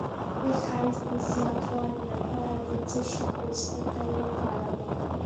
د حیض د زیاتوالي لپاره د څه شي پوستکی وکاروم؟